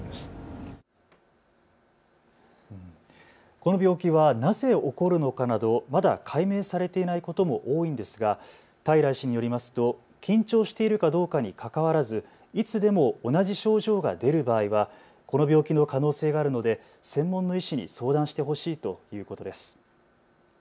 この病気はなぜ起こるのかなどまだ解明されていないことも多いんですが平医師によりますと緊張しているかどうかにかかわらずいつでも同じ症状が出る場合はこの病気の可能性があるので専門の医師に相談してほしいということです。